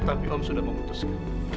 tapi om sudah memutuskan